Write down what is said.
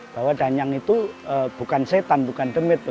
bahwa danyang itu bukan setan bukan demit